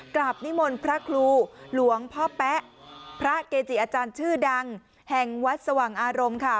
นิมนต์พระครูหลวงพ่อแป๊ะพระเกจิอาจารย์ชื่อดังแห่งวัดสว่างอารมณ์ค่ะ